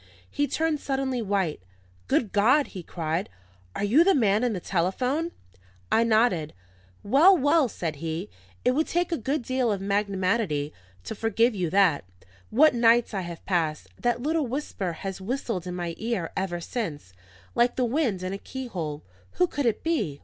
He turned suddenly white. "Good God!" he cried, "are you the man in the telephone?" I nodded. "Well, well!" said he. "It would take a good deal of magnanimity to forgive you that. What nights I have passed! That little whisper has whistled in my ear ever since, like the wind in a keyhole. Who could it be?